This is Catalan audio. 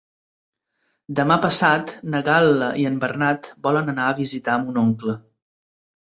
Demà passat na Gal·la i en Bernat volen anar a visitar mon oncle.